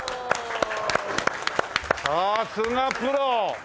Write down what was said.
さすがプロ！